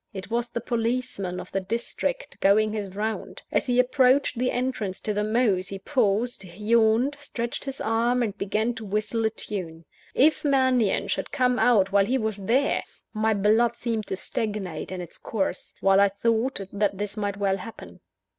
It was the policeman of the district going his round. As he approached the entrance to the mews he paused, yawned, stretched his arms, and began to whistle a tune. If Mannion should come out while he was there! My blood seemed to stagnate on its course, while I thought that this might well happen.